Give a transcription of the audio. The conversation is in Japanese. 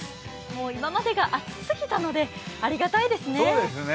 もう今までが暑すぎたのでありがたいですね。